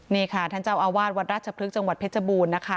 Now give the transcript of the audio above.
นี่ค่ะท่านเจ้าอาวาสวัดราชพฤกษ์จังหวัดเพชรบูรณ์นะคะ